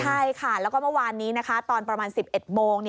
ใช่ค่ะแล้วก็เมื่อวานนี้นะคะตอนประมาณ๑๑โมง